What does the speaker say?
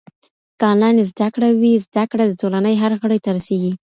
که انلاین زده کړه وي، زده کړه د ټولنې هر غړي ته رسېږي.